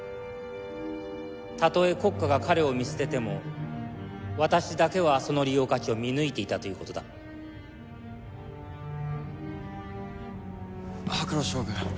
たとえ国家が彼を見捨てても私だけはその利用価値を見抜いていたということだハクロ将軍